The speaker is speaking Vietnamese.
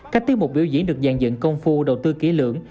các tiết mục biểu diễn được dàn dựng công phu đầu tư kỹ lưỡng